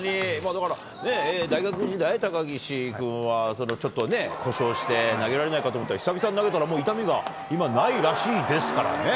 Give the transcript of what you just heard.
だから、大学時代、高岸君はちょっとね、故障して投げられないかと思ったら、久々に投げたら、痛みが今、ないらしいですからね。